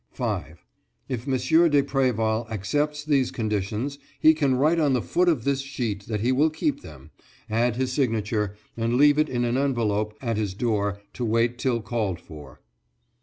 "5. If M. de Préval accepts these conditions he can write on the foot of this sheet that he will keep them, add his signature, and leave it in an envelope at his door to wait till called for."